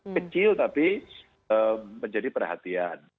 kecil tapi menjadi perhatian